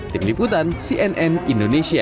tim liputan cnn indonesia